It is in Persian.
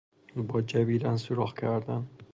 با جویدن سوراخ کردن